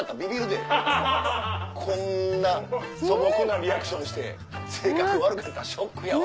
こんな素朴なリアクションして性格悪かったらショックやわ。